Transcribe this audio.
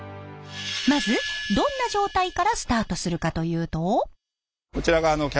まずどんな状態からスタートするかというと。